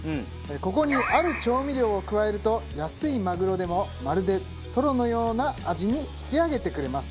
ここにある調味料を加えると安いマグロでもまるでトロのような味に引き上げてくれます。